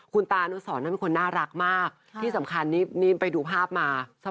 คุณตานุสรนั้นเป็นคนน่ารักมากที่สำคัญนี่ไปดูภาพมา